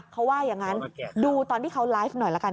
เขาว่าอย่างนั้นดูตอนที่เขาไลฟ์หน่อยละกัน